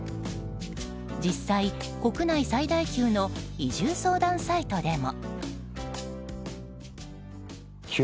実際、国内最大級の移住相談サイトでも。